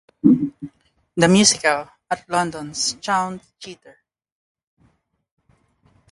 The Musical, at London's Sound Theatre.